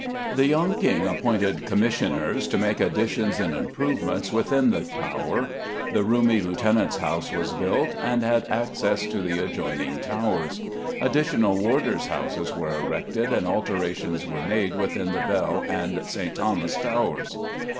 The young King appointed Commissioners to make additions and improvements within the Tower. The roomy Lieutenant's House was built, and had access to the adjoining towers; additional warders' houses were erected and alterations were made within the Bell and St. Thomas's Towers.